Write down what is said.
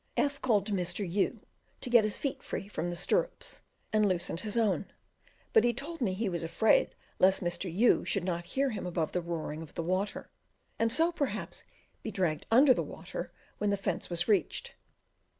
F called to Mr. U to get his feet free from the stirrups and loosened his own; but he told me he was afraid lest Mr. U should not hear him above the roaring of the water, and so perhaps be dragged under water when the fence was reached.